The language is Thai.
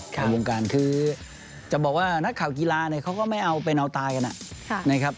การงานคือจะบอกว่านักข่าวกีฬาเขาก็ไม่เอาไปน้าวตายกัน